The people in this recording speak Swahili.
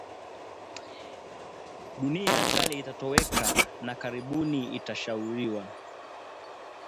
Dunia ya kale itatoweka na karibuni itasahauliwa